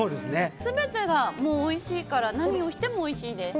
全てがおいしいから何をしてもおいしいです。